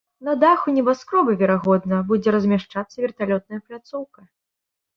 На даху небаскроба, верагодна, будзе размяшчацца верталётная пляцоўка.